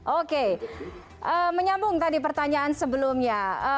oke menyambung tadi pertanyaan sebelumnya